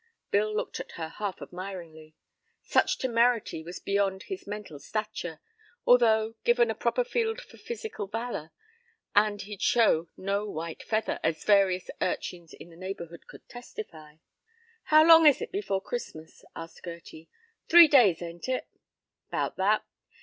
Bill looked at her half admiringly. Such temerity was beyond his mental stature, although, given a proper field for physical valor, and he'd show no white feather, as various urchins in the neighborhood could testify. "How long is it before Christmas?" asked Gerty. "Three days, ain't it?" "'Bout that.